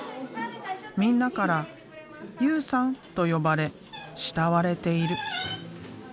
みんなから「雄さん」と呼ばれ慕われている。